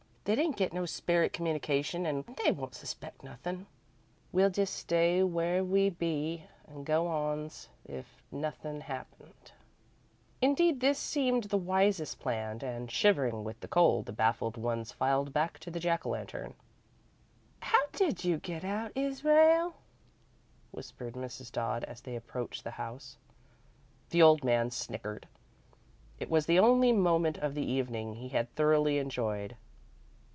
They didn't get no spirit communication an' they won't suspect nothin'. We'll just stay where we be an' go on 's if nothin' had happened." Indeed, this seemed the wisest plan, and, shivering with the cold, the baffled ones filed back to the Jack o' Lantern. "How did you get out, Israel?" whispered Mrs. Dodd, as they approached the house. The old man snickered. It was the only moment of the evening he had thoroughly enjoyed.